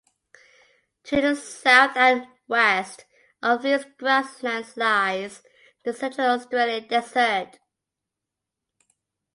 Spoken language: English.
To the south and west of these grasslands lies the central Australian desert.